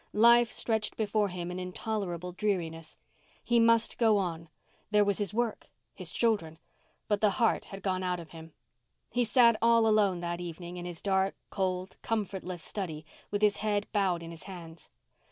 Life stretched before him in intolerable dreariness. He must go on—there was his work—his children—but the heart had gone out of him. He sat alone all that evening in his dark, cold, comfortless study with his head bowed on his hands.